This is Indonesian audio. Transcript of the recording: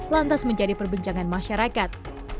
lantas menjadi perbincangan masyarakat